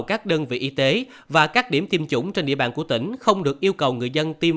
các đơn vị y tế và các điểm tiêm chủng trên địa bàn của tỉnh không được yêu cầu người dân tiêm